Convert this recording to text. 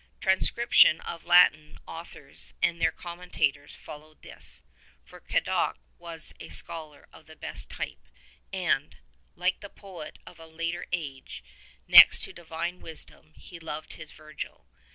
Transcription of Latin authors and their commentators followed this, for Cadoc was a scholar of the best type and, like the poet of a later age, next to Divine Wisdom he loved his Virgil.